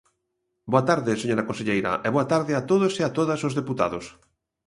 Boa tarde, señora conselleira, e boa tarde a todos e a todas os deputados.